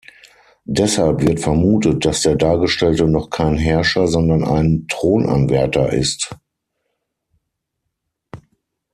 Deshalb wird vermutet, dass der Dargestellte noch kein Herrscher, sondern ein Thronanwärter ist.